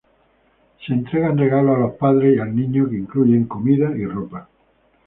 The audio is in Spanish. Se entregan regalos a los padres y al niño, que incluyen comida y ropa.